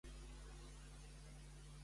Quina rellevància té Caerleon?